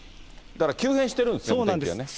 だから、急変してるんですね、天気が。